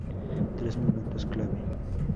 Tres momentos clave".